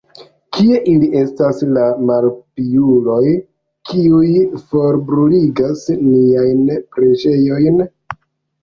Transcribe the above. Kie ili estas, la malpiuloj, kiuj forbruligas niajn preĝejojn?